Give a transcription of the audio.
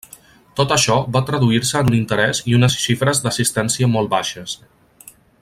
Tot això va traduir-se en un interés i unes xifres d'assistència molt baixes.